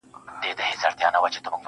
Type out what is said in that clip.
o بگوت گيتا د هندوانو مذهبي کتاب.